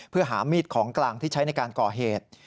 เพื่อหามีดของกลางที่ใช้ในการก่อเหตุ